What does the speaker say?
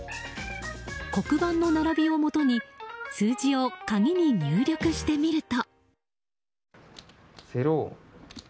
黒板の並びをもとに数字を鍵に入力してみると。